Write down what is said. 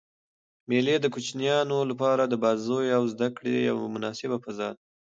مېلې د کوچنيانو له پاره د بازيو او زدکړي یوه مناسبه فضا ده.